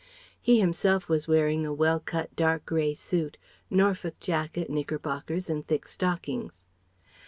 He himself was wearing a well cut dark grey suit Norfolk jacket, knickerbockers and thick stockings.